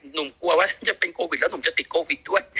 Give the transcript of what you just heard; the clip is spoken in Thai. หนูกลัวว่าฉันจะเป็นโควิดแล้วหนุ่มจะติดโควิดด้วย